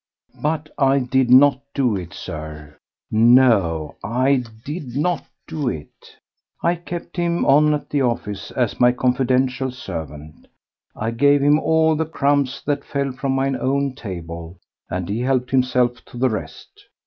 But I did not do it, Sir. No, I did not do it. I kept him on at the office as my confidential servant; I gave him all the crumbs that fell from mine own table, and he helped himself to the rest.